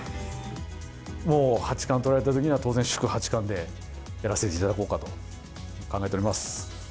もう八冠とられたときには、当然、祝八冠でやらせていただこうかと考えております。